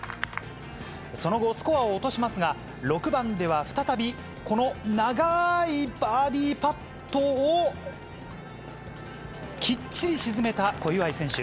その後、スコアを落としますが、６番では再び、この長いバーディーパットを、きっちり沈めた小祝選手。